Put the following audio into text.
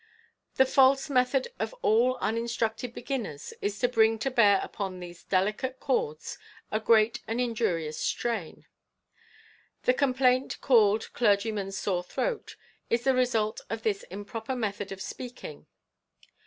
The false method of all uninstructed beginners is to bring to bear upon these delicate 54 maccabe's art of ventriloquism chords a great and injurious strain. The complaint called clergy man's sore throat is the result of this improper method of speak ing.